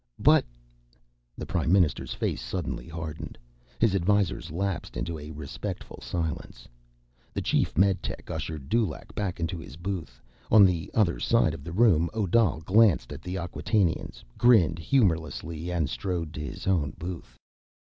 "But—" The prime minister's face suddenly hardened; his advisors lapsed into a respectful silence. The chief meditech ushered Dulaq back into his booth. On the other side of the room, Odal glanced at the Acquatainians, grinned humorlessly, and strode to his own booth.